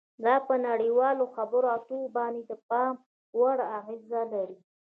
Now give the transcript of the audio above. دا په نړیوالو خبرو اترو باندې د پام وړ اغیزه لري